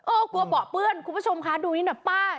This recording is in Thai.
โอ้กลัวเบาะเพื่อนคุณผู้ชมคะดูนี้หน่ะป้า